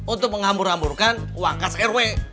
untuk menghambur hamburkan wakas rw